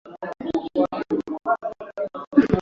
kuwa mtegemezi dawa ya kulevya wakati